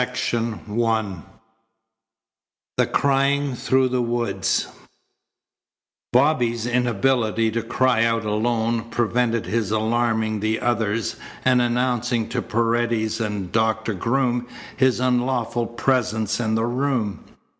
CHAPTER V THE CRYING THROUGH THE WOODS Bobby's inability to cry out alone prevented his alarming the others and announcing to Paredes and Doctor Groom his unlawful presence in the room.